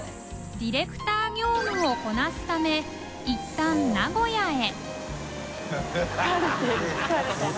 ディレクター業務をこなすためいったん名古屋へハハハ